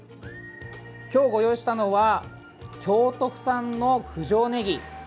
今日ご用意したのは京都府産の九条ねぎ。